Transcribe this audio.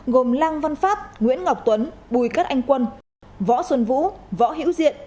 gồm lang văn pháp nguyễn ngọc tuấn bùi cát anh quân võ xuân vũ võ hiễu diện